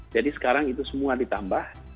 jadi sekarang itu semua ditambah